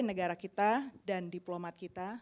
negara kita dan diplomat kita